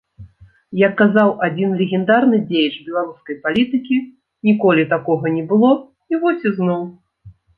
Як казаў адзін легендарны дзеяч беларускай палітыкі, ніколі такога не было, і вось ізноў!